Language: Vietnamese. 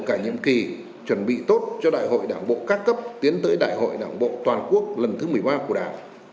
cả nhiệm kỳ chuẩn bị tốt cho đại hội đảng bộ các cấp tiến tới đại hội đảng bộ toàn quốc lần thứ một mươi ba của đảng